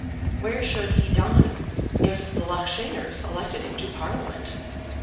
Where should he dine if the Loughshaners elected him to Parliament?